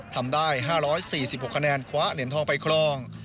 ทำได้๕๔๖คะแนนคว้าเหรียญทองไปครอง